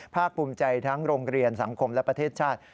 ภาคภูมิใจทั้งโรงเรียนสังคมและประเทศชาติ